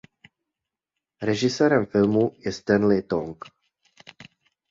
Režisérem filmu je Stanley Tong.